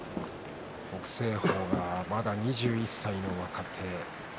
北青鵬がまだ２１歳の若手。